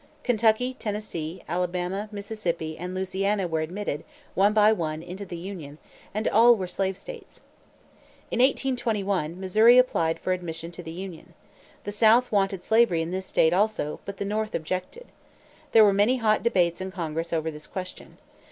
Kentucky, Tennessee, Alabama, Mississippi, and Louisiana were admitted, one by one, into the Union; and all were slave states. In 1821, Missouri applied for admission into the Union. The South wanted slavery in this state also, but the North objected. There were many hot debate's in Congress over this question.